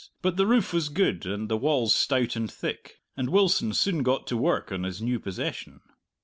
But the roof was good, and the walls stout and thick, and Wilson soon got to work on his new possession.